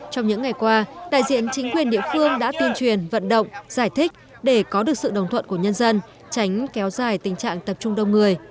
trong những ngày qua đại diện chính quyền địa phương đã tuyên truyền vận động giải thích để có được sự đồng thuận của nhân dân tránh kéo dài tình trạng tập trung đông người